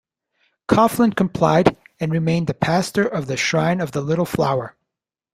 Coughlin complied and remained the pastor of the Shrine of the Little Flower.